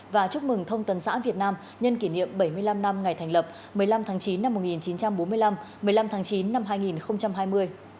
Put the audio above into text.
và chúc mừng thông tần xã việt nam nhân kỷ niệm bảy mươi năm năm ngày thành lập một mươi năm tháng chín năm một nghìn chín trăm bốn mươi năm một mươi năm tháng chín năm hai nghìn hai mươi